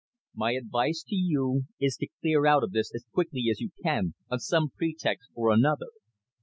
"My advice to you is to clear out of this as quickly as you can, on some pretext or another.